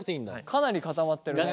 かなり固まってるね。